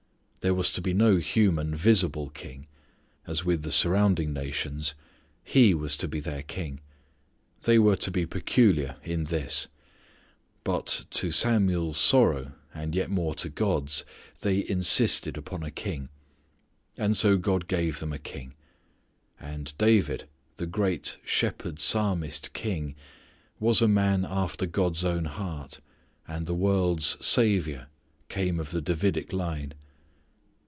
There was to be no human, visible king, as with the surrounding nations. He was to be their king. They were to be peculiar in this. But to Samuel's sorrow and yet more to God's, they insisted upon a king. And so God gave them a king. And David the great shepherd psalmist king was a man after God's own heart, and the world's Saviour came of the Davidic line.